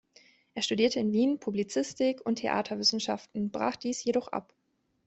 Er studierte in Wien Publizistik und Theaterwissenschaften, brach dies jedoch ab.